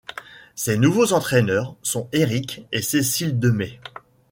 Ses nouveaux entraîneurs sont Éric et Cécile Demay.